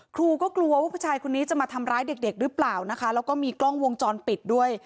ครูก็กลัวว่าผู้ชายคนนี้จะมาทำร้ายเด็กเด็กหรือเปล่านะคะแล้วก็มีกล้องวงจรปิดด้วย